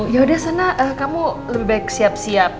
yaudah sana kamu lebih baik siap siap